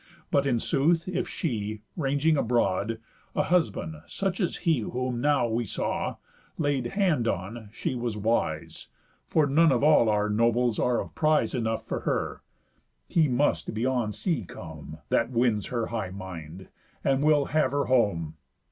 But, in sooth, if she, Ranging abroad, a husband, such as he Whom now we saw, laid hand on, she was wise, For none of all our nobles are of prize Enough for her; he must beyond sea come, That wins her high mind, and will have her home.